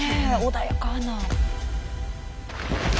穏やかな。